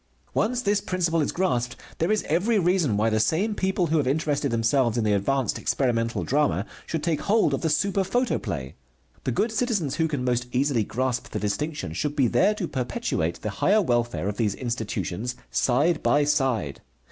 Once this principle is grasped there is every reason why the same people who have interested themselves in the advanced experimental drama should take hold of the super photoplay. The good citizens who can most easily grasp the distinction should be there to perpetuate the higher welfare of these institutions side by side.